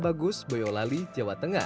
bagus boyolali jawa tengah